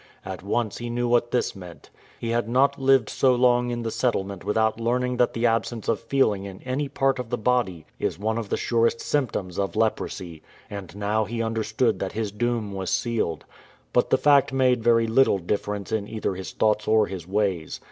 At once he knew what this meant. He had not lived so long in the settlement without learning that the absence of feeling in any part of the body is one of the surest symptoms of leprosy ; and now he understood that his doom was sealed. But the fact made very little difference in either his thoughts or his ways.